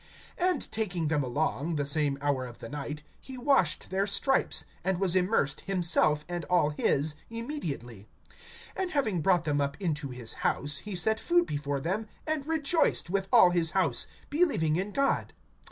(33)And taking them along, the same hour of the night, he washed their stripes; and was immersed, himself and all his, immediately. (34)And having brought them up into his house, he set food before them, and rejoiced, with all his house, believing in God.